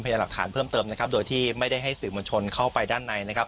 พยายามหลักฐานเพิ่มเติมนะครับโดยที่ไม่ได้ให้สื่อมวลชนเข้าไปด้านในนะครับ